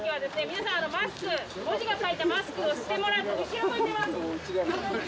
皆さんマスク文字が書いたマスクをしてもらって後ろ向いてます！